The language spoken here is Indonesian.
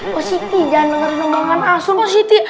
pak siti jangan dengerin omongan pak siti